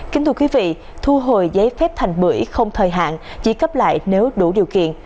kính thưa quý vị thu hồi giấy phép thành bưởi không thời hạn chỉ cấp lại nếu đủ điều kiện